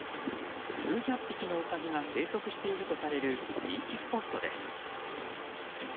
数百匹のウサギが生息しているとされる人気スポットです。